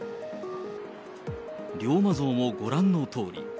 龍馬像もご覧のとおり。